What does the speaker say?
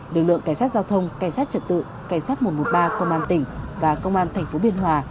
lực lượng cảnh sát giao thông cảnh sát trật tự cảnh sát một trăm một mươi ba công an tỉnh và công an tp biên hòa